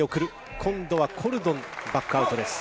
今度はコルドン、バックアウトです。